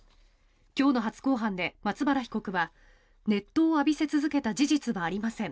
今日の初公判で松原被告は熱湯を浴びせ続けた事実はありません